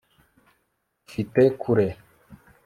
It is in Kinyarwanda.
ufite kure